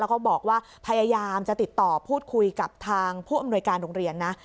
แล้วก็บอกว่าพยายามจะติดต่อพูดคุยกับทางผู้อำนวยการโรงเรียนนะ